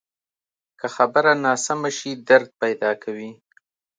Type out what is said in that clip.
که خبره ناسمه شي، درد پیدا کوي